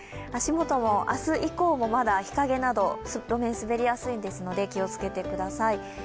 足元も明日以降もまだ日陰など滑りやすいですので気をつけてください。